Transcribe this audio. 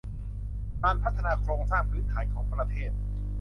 การพัฒนาโครงสร้างพื้นฐานของประเทศ